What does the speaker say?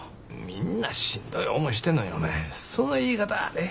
みんなしんどい思いしてんのにお前その言い方はあれへんやろが。